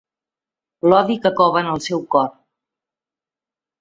L'odi que cova en el seu cor.